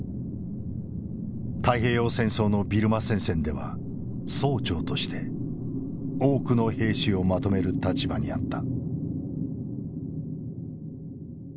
太平洋戦争のビルマ戦線では曹長として多くの兵士をまとめる立場にあった。